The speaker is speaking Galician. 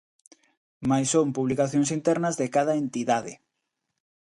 Mais son publicacións internas de cada entidade.